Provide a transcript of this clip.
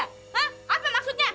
hah apa maksudnya